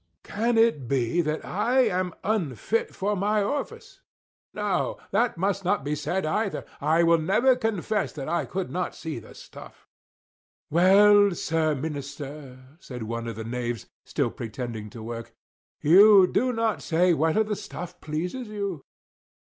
Can it be, that I am unfit for my office? No, that must not be said either. I will never confess that I could not see the stuff." "Well, Sir Minister!" said one of the knaves, still pretending to work. "You do not say whether the stuff pleases you."